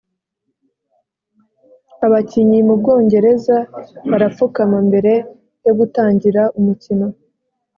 abakinyi mu Bwongereza barapfukama mbere yogutangira umukino